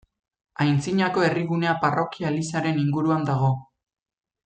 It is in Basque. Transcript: Antzinako herrigunea parrokia-elizaren inguruan dago.